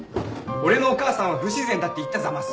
俺のお母さんは不自然だって言ったざます。